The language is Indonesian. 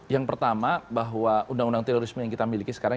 yang pertama bahwa undang undang terorisme yang kita miliki sekarang